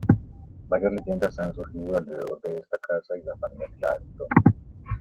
Varias leyendas han surgido alrededor de esta casa y la familia que la habitó.